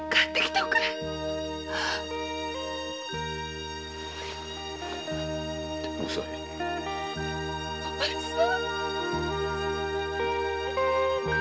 お前さん。